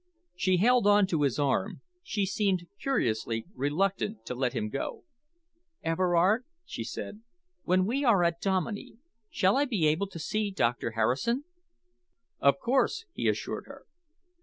She held on to his arm. She seemed curiously reluctant to let him go. "Everard," she said, "when we are at Dominey shall I be able to see Doctor Harrison?" "Of course," he assured her.